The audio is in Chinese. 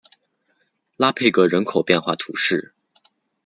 拉佩格人口变化图示